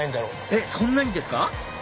えっそんなにですか？